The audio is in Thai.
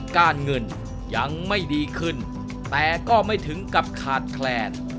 การเงินยังไม่ดีขึ้นแต่ก็ไม่ถึงกับขาดแคลน